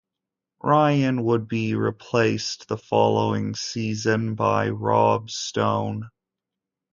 Ryan would be replaced the following season by Rob Stone.